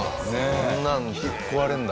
あんなのぶっ壊れるんだ。